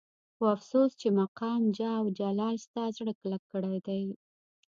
خو افسوس چې مقام جاه او جلال ستا زړه کلک کړی دی.